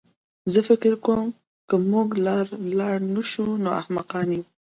زه فکر کوم که موږ لاړ نه شو نو احمقان یو